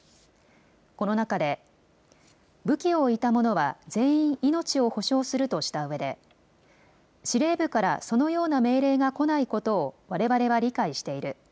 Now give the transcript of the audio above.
この中で武器を置いた者は全員、命を保証するとしたうえで司令部からそのような命令が来ないことをわれわれは理解している。